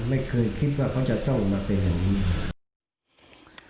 ไม่เคยคิดว่าเขาจะต้องมาเป็นอย่างนี้